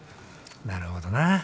なるほどなぁ。